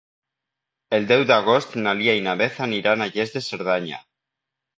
El deu d'agost na Lia i na Beth aniran a Lles de Cerdanya.